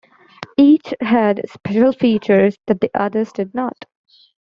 Each had special features that the others did not.